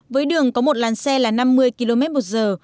với đường có một làn xe là năm mươi km một giờ